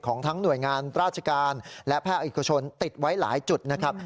ทั้งหน่วยงานราชการและภาคเอกชนติดไว้หลายจุดนะครับ